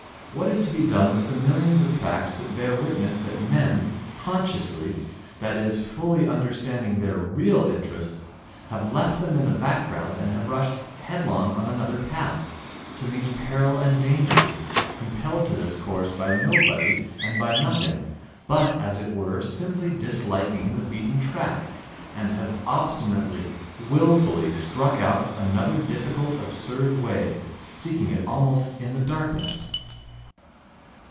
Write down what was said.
What is to be done with the millions of facts that bear witness that men, consciously, that is fully understanding their real interests, have left them in the background and have rushed headlong on another path, to meet peril and danger, compelled to this course by nobody and by nothing, but, as it were, simply disliking the beaten track, and have obstinately, wilfully, struck out another difficult, absurd way, seeking it almost in the darkness.